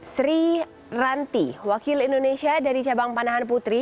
sri ranti wakil indonesia dari cabang panahan putri